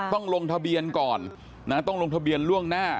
ต้องลงทะเบียนก่อนนะต้องลงทะเบียนล่วงหน้า